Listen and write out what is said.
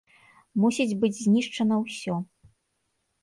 Мусіць быць знішчана ўсё!